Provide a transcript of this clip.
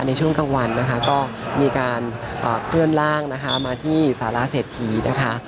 ในช่วงกลางวันนะคะก็มีการเคลื่อนร่างนะคะมาที่สาระเศรษฐีนะคะ